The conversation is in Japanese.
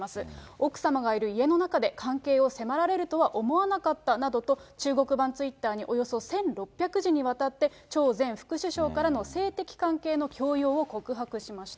奥様がいる家の中で、関係を迫られるとは思わなかったなどと、中国版ツイッターに、およそ１６００字にわたって、張前副首相からの性的関係の強要を告白しました。